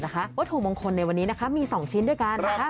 วัตถุมงคลในวันนี้นะคะมี๒ชิ้นด้วยกันนะคะ